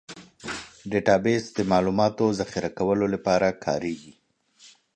ډیټابیس د معلوماتو ذخیره کولو لپاره کارېږي.